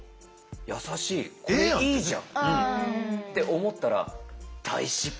優しいこれいいじゃんって思ったら大失敗。